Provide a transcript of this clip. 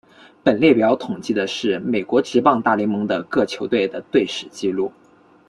本列表统计的是美国职棒大联盟的各球队的队史纪录。